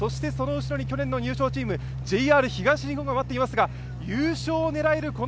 その後ろに去年の入賞チーム、ＪＲ東日本が待っていますが、優勝を狙える